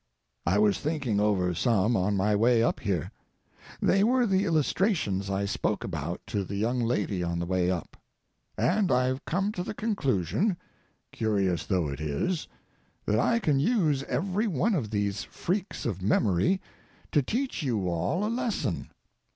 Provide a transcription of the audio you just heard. I was thinking over some on my way up here. They were the illustrations I spoke about to the young lady on the way up. And I've come to the conclusion, curious though it is, that I can use every one of these freaks of memory to teach you all a lesson.